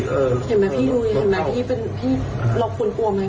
เห็นไหมพี่ดูเห็นไหมเราควรกลัวไหม